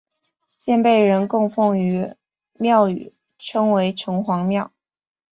现被人供奉于庙宇称为城隍庙。